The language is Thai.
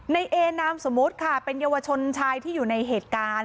ในเอนามสมมุติค่ะเป็นเยาวชนชายที่อยู่ในเหตุการณ์